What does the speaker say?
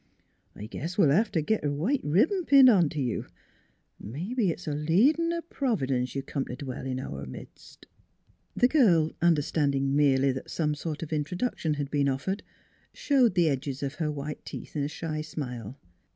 " I guess we '11 hev t' git a white ribbin pinned ont' you. ... Mebbe it's a leadin' o' Providence you come to dwell in our midst." The girl, understanding merely that some sort of introduction had been offered, showed the edges of her white teeth in a shy smile.